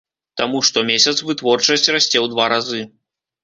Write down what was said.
Таму штомесяц вытворчасць расце ў два разы.